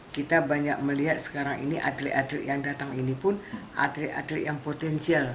kita banyak melihat sekarang ini atlet atlet yang datang ini pun atlet atlet yang potensial